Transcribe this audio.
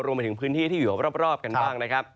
รวมไปถึงพื้นที่ที่อยู่รอบกันบ้างนะครับ